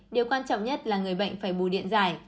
điều quan trọng nhất là người bệnh phải bù điện giải